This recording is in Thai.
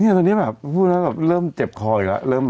นี่สักทีพอพูดแล้วเริ่มเจ็บคออีกแล้ว